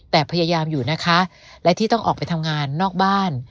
แต่พยายามอยู่นะคะและที่ต้องออกไปทำงานนอกบ้าน